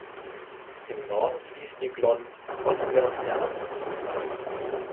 Im Norden fließt die Glonn ostwärts der Amper zu.